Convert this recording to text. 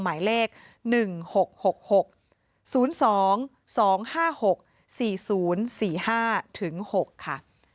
หมายเลข๑๖๖๖๐๒๒๕๖๔๐๔๕ถึง๖ค่ะ